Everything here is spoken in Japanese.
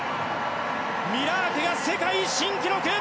ミラークが世界新記録！